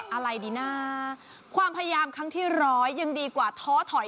อะไรดีนะความพยายามครั้งที่ร้อยยังดีกว่าท้อถอย